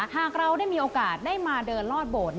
หากเราได้มีโอกาสได้มาเดินลอดโบสถ์